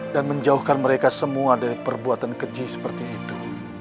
dan menjauhkan mereka semua dari perbuatan keji seperti itu